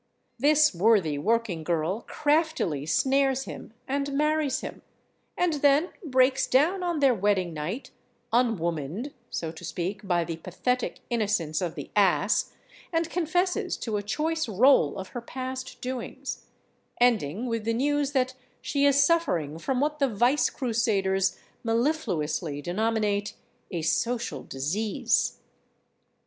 This worthy working girl craftily snares him and marries him—and then breaks down on their wedding night, unwomaned, so to speak, by the pathetic innocence of the ass, and confesses to a choice roll of her past doings, ending with the news that she is suffering from what the vice crusaders mellifluously denominate a "social disease."